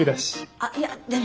あっいやでも。